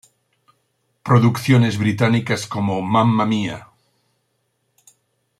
Producciones británicas, como "Mamma Mia!